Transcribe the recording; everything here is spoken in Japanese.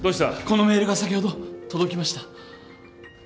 このメールが先ほど届きました。